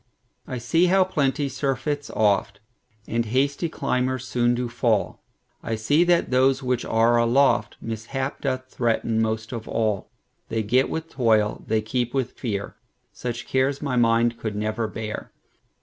I see how plenty surfeits oft, And hasty climbers soon do fall;I see that those which are aloftMishap doth threaten most of all:They get with toil, they keep with fear:Such cares my mind could never bear.